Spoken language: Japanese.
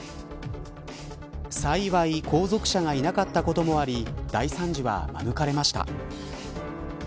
幸い後続車がいなかったこともあり大惨事は免れました。